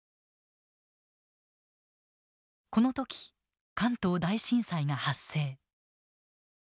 この時関東大震災が発生。